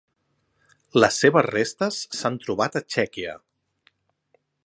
Les seves restes s'ha trobat a Txèquia.